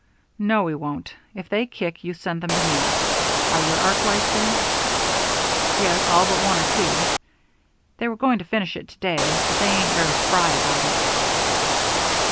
"No, we won't. If they kick, you send them to me. Are your arc lights in?" "Yes, all but one or two. They were going to finish it to day, but they ain't very spry about it."